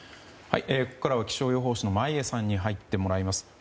ここからは気象予報士の眞家さんに入っていただきます。